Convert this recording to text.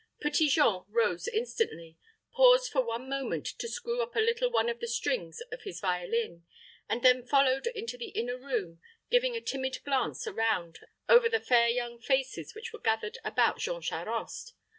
Petit Jean rose instantly, paused for one moment to screw up a little one of the strings of his violin, and then followed into the inner room, giving a timid glance around over the fair young faces which were gathered about Jean Charost.